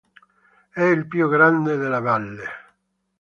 È il più grande della valle.